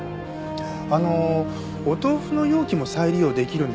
あのお豆腐の容器も再利用できるんですか？